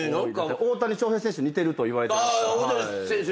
大谷翔平選手に似てるといわれてます。